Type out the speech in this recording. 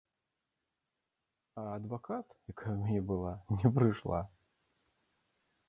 А адвакат, якая ў мяне была, не прыйшла.